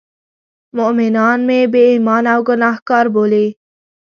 مومنان مې بې ایمانه او ګناه کار بولي.